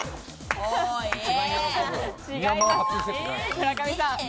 村上さん。